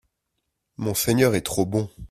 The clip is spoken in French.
Monseigneur est trop bon